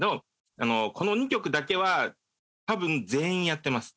この２曲だけは多分全員やってます。